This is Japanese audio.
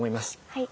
はい。